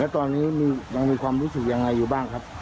ตอนนี้ยังมีความรู้สึกยังไงอยู่บ้างครับ